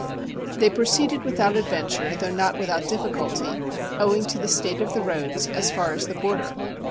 They proceeded without adventure, though not without difficulty, owing to the state of the roads, as far as the Border.